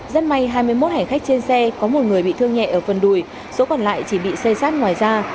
rất may hai mươi một hành khách trên xe có một người bị thương nhẹ ở phần đùi số còn lại chỉ bị xây sát ngoài ra